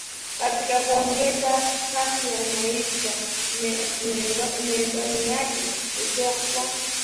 Katika kuongeza kasi ya maisha mienendo yake kutoweka